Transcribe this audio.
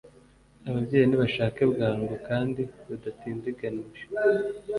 Ababyeyi nibashake bwangu kandi badatindiganije